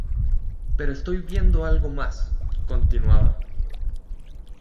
Pero estoy viendo algo más", continuaba.